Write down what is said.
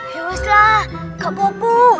hewaslah nggak apa apa